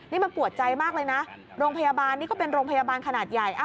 นี่มันปวดใจมากเลยนะโรงพยาบาลนี่ก็เป็นโรงพยาบาลขนาดใหญ่